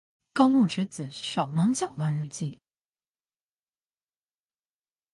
高木直子手忙腳亂日記